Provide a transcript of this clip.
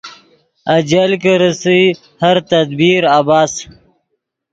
اجل کی ریسئے ہر تدبیر عبث